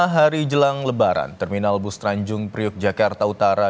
lima hari jelang lebaran terminal bus tanjung priuk jakarta utara